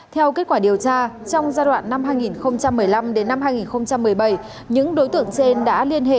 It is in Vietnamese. theo kết quả điều tra trong giai đoạn năm hai nghìn một mươi năm đến năm hai nghìn một mươi bảy những đối tượng trên đã liên hệ